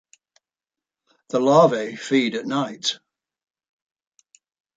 The larvae feed at night.